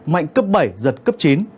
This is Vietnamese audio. mạnh cấp bảy giật cấp chín